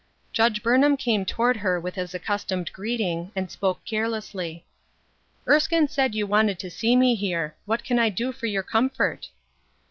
Judge Burnham came toward her with his accus tomed greeting and spoke carelessly :—" Erskine said you wanted to see me here. What can I do for your comfort